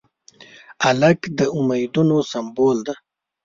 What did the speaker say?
هلک د امیدونو سمبول دی.